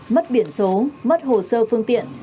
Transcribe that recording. mất biển số mất hồ sơ phương tiện